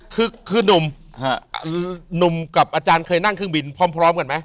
คือนุ่มหนุ่มกับอาจารย์เคยนั่งเครื่องบินพร้อมกันไหม